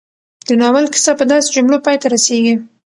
د ناول کيسه په داسې جملو پای ته رسېږي